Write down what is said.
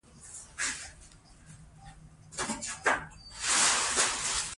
کله چې پرېکړې په پټه وشي شکونه ډېرېږي